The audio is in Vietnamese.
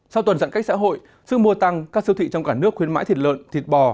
sau tuần dặn cách xã hội sức mua tăng các siêu thị trong cả nước khuyến mãi thịt lợn thịt bò